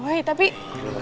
terima kasih tuhan